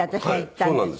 そうなんです。